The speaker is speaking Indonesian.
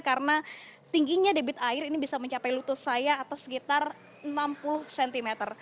karena tingginya debit air ini bisa mencapai lutut saya atau sekitar enam puluh cm